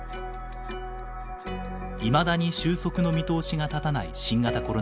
いまだに収束の見通しが立たない新型コロナウイルス。